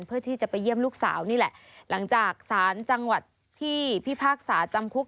เพื่อที่จะไปเยี่ยมลูกสาวนี่แหละหลังจากสารจังหวัดที่พิพากษาจำคุก